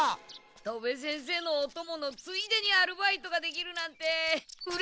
戸部先生のおとものついでにアルバイトができるなんてうれしいです。